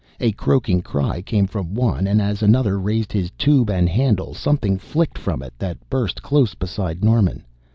A croaking cry came from one and as another raised his tube and handle, something flicked from it that burst close beside Norman.